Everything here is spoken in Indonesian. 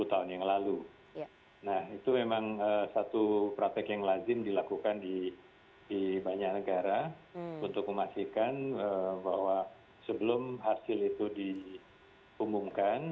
sepuluh tahun yang lalu nah itu memang satu praktek yang lazim dilakukan di banyak negara untuk memastikan bahwa sebelum hasil itu diumumkan